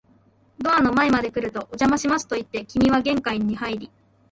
ドアの前まで来ると、お邪魔しますと言って、君は玄関に入り、